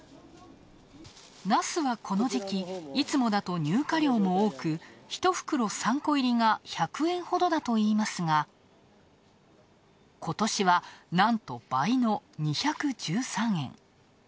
ナスはこの時期いつもだと入荷量も多く１袋３個入りが１００円ほどだといいますが、今年はなんと倍の２１３円。